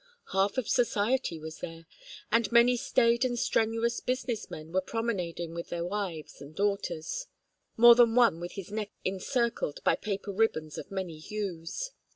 Half of society was there; and many staid and strenuous business men were promenading with their wives and daughters, more than one with his neck encircled by paper ribbons of many hues.